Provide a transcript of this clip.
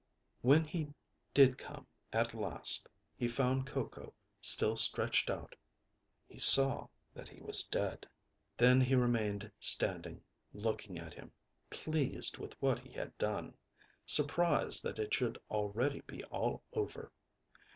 When he did come at last, he found Coco still stretched out; he saw that he was dead. Then he remained standing, looking at him, pleased with what he had done, surprised that it should already be all over.